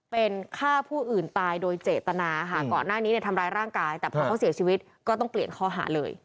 เป็นข้าวผู้อื่นตายโดยเจตนานะคะเค้าต้องเสียชีวิตก็ต้องเปลี่ยนข้อหาเลย